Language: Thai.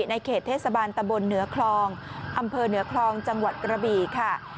ในเขตเทศบาลตะบนเหนือคลองอำเภอเหนือคลองจังหวัดกระบี่ค่ะ